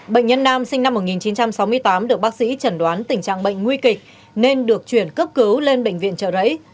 bệnh nhân nam sinh năm một nghìn chín trăm sáu mươi tám được bác sĩ chẩn đoán tình trạng bệnh nguy kịch nên được chuyển cấp cứu lên bệnh viện trợ rẫy